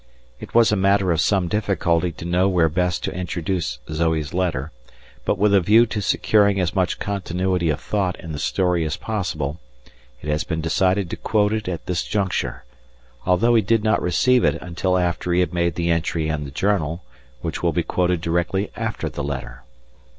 It was a matter of some difficulty to know where best to introduce Zoe's letter, but with a view to securing as much continuity of thought in the story as possible it has been decided to quote it at this juncture, although he did not receive it until after he had made the entry in the journal which will be quoted directly after the letter.